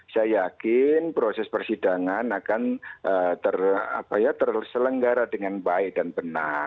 saya yakin proses persidangan akan terselenggara dengan baik dan benar